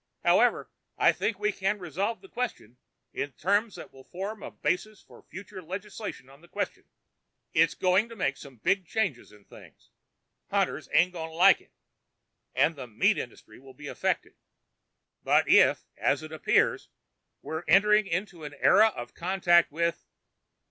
However, I think we can resolve the question in terms that will form a basis for future legislation on the question. It's going to make some big changes in things. Hunters aren't going to like it and the meat industry will be affected. But if, as it appears, we're entering into an era of contact with